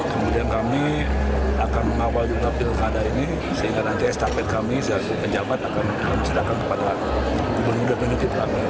kemudian kami akan mengawal juga pilkada ini sehingga nanti estafet kami pejabat akan sedangkan kepada gubernur definitif kami